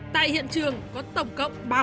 tại hiện trường huyện đồng anh hà nội